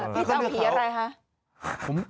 พี่จำผีอะไรคะ